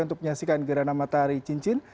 untuk menyaksikan geram antar cincin